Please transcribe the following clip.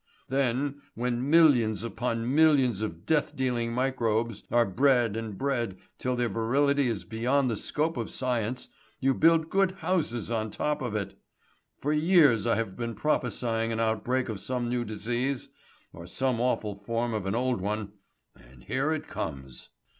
Then, when millions upon millions of death dealing microbes are bred and bred till their virility is beyond the scope of science, you build good houses on the top of it. For years I have been prophesying an outbreak of some new disease or some awful form of an old one and here it comes.